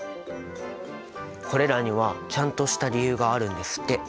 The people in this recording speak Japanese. これらにはちゃんとした理由があるんですって。